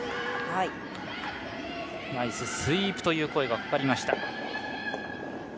ナイススイープという声がかかりました。